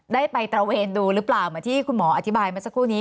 ได้ไปตระเวนดูหรือเปล่าเหมือนที่คุณหมออธิบายมาสักครู่นี้